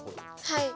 はい。